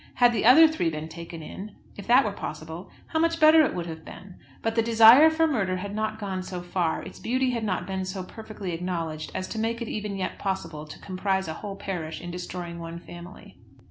Had the other three been taken in, if that were possible, how much better it would have been! But the desire for murder had not gone so far, its beauty had not been so perfectly acknowledged as to make it even yet possible to comprise a whole parish in destroying one family.